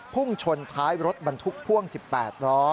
พุ่งชนท้ายรถบรรทุกพ่วง๑๘ล้อ